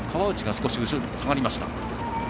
少し後ろに下がりました。